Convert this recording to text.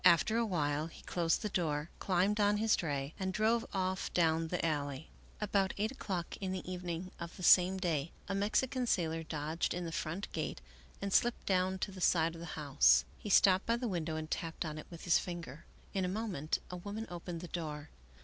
After awhile he closed the door, climbed on his dray, and drove ofif down the alley. About eight o'clock in the evening of the same day, a Mexican sailor dodged in the front gate and slipped down 8i American Mystery Stories to th e side of the house. He stopped by the window and tapped on it with his finger. In a moment a woman opened the door.